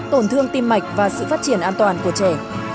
tổn thương tim mạch và sự phát triển an toàn của trẻ